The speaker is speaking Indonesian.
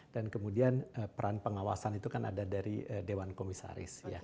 dan kemudian peran pengawasan itu kan ada dari dewan komisaris